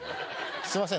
すみません。